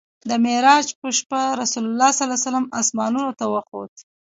د معراج په شپه رسول الله اسمانونو ته وخوت.